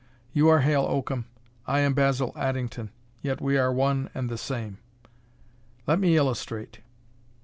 You are Hale Oakham. I am Basil Addington, yet we are one and the same. Let me illustrate."